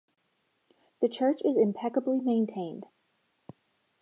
The church is impeccably maintained.